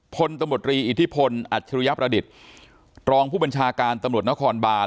พลตำรวจรีอิทธิพลอัจฉริยประดิษฐ์รองผู้บัญชาการตำรวจนครบาน